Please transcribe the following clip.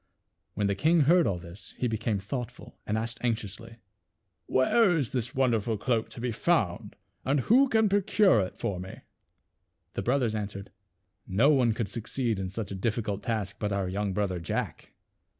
When the king heard all this he became thoughtful, and asked anxiously, "Where is this wonderful cloak to be found and who can procure it for me ?" The brothers answered, " No one could succeed in such a difficult task but our young brother Jack."